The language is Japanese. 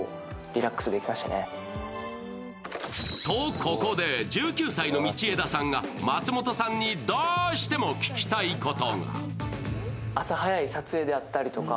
ここで１９歳の道枝さんが松本さんにどーしても聞きたいこと。